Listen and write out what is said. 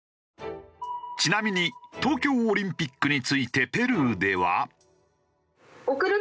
ちなみに東京オリンピックについてペルーでは。